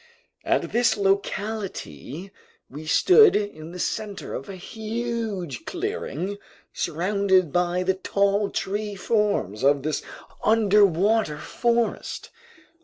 At this locality we stood in the center of a huge clearing surrounded by the tall tree forms of this underwater forest.